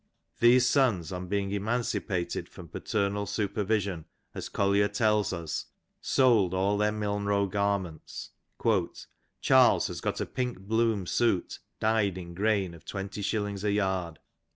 These sons on being emancipated from paternal supervision, as Collier tells us, sold all their Milnrow garments :'' Charles has got a pink bloom '' suit dyed in grain of twenty shillings a yard.